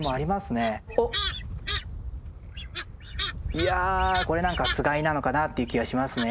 いやこれ何かつがいなのかなっていう気はしますね。